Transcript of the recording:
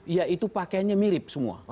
yaitu pakaiannya mirip semua